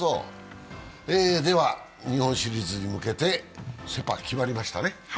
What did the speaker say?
では日本シリーズに向けて、セ・パ、決まりましたね。